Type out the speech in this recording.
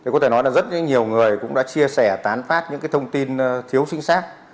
có thể nói là rất nhiều người cũng đã chia sẻ tán phát những thông tin thiếu chính xác